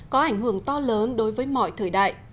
có ảnh hưởng to lớn đối với mọi thời đại